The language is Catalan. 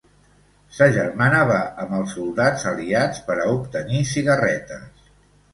Sa germana va amb els soldats aliats per a obtenir cigarretes.